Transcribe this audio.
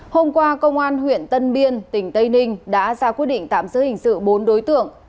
hôm qua công an huyện tân biên tỉnh tây ninh đã ra quyết định tạm giữ hình sự bốn đối tượng